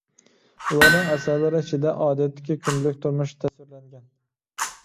ئۇلارنىڭ ئەسەرلىرى ئىچىدە ئادەتتىكى كۈندىلىك تۇرمۇشى تەسۋىرلەنگەن.